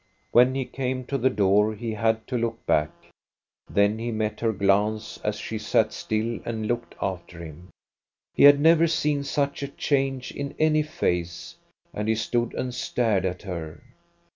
When he came to the door, he had to look back. Then he met her glance, as she sat still and looked after him. He had never seen such a change in any face, and he stood and stared at her.